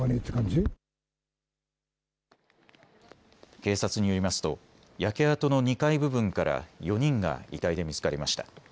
警察によりますと焼け跡の２階部分から４人が遺体で見つかりました。